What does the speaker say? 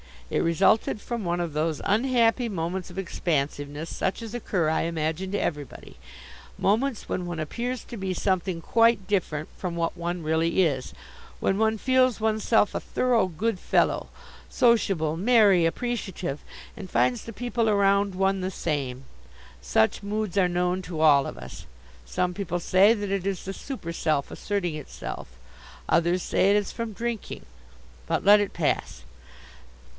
It resulted from one of those unhappy moments of expansiveness such as occur, I imagine, to everybody moments when one appears to be something quite different from what one really is, when one feels oneself a thorough good fellow, sociable, merry, appreciative, and finds the people around one the same. Such moods are known to all of us. Some people say that it is the super self asserting itself. Others say it is from drinking. But let it pass.